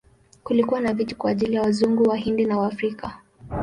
Kulikuwa na viti kwa ajili ya Wazungu, Wahindi na Waafrika.